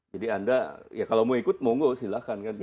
jadi anda kalau mau ikut silahkan